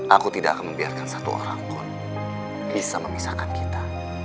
aku tidak akan membiarkan satu orang pun bisa memisahkan kita